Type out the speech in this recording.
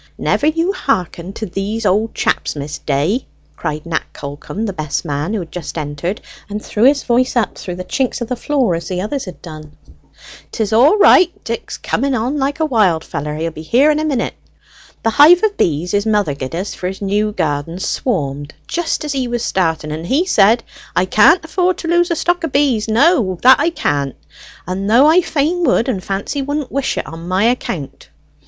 "Never you hearken to these old chaps, Miss Day!" cried Nat Callcome, the best man, who had just entered, and threw his voice upward through the chinks of the floor as the others had done. "'Tis all right; Dick's coming on like a wild feller; he'll be here in a minute. The hive o' bees his mother gie'd en for his new garden swarmed jist as he was starting, and he said, 'I can't afford to lose a stock o' bees; no, that I can't, though I fain would; and Fancy wouldn't wish it on any account.'